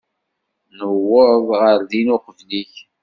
Nuweḍ ɣer din uqbel-ik.